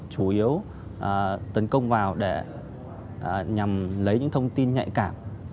chủ yếu tấn công vào để nhằm lấy những thông tin nhạy cảm